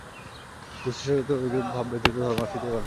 গুরুশিষ্যের ভিতর ঐরূপ ভাব ব্যতীত ধর্ম আসিতেই পারে না।